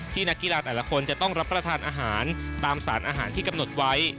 นักกีฬาแต่ละคนจะต้องรับประทานอาหารตามสารอาหารที่กำหนดไว้